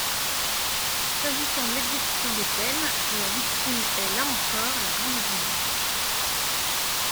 S’agissant de l’exécution des peines, la victime est, là encore, la grande oubliée.